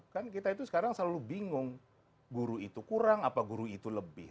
kan kita itu sekarang selalu bingung guru itu kurang apa guru itu lebih